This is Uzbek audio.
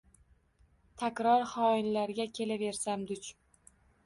Takror xoinlarga kelaversam duch.